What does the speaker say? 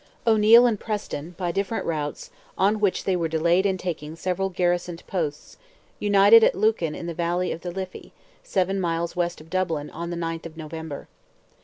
O'Neil and Preston, by different routes, on which they were delayed in taking several garrisoned posts, united at Lucan in the valley of the Liffey, seven miles west of Dublin, on the 9th of November.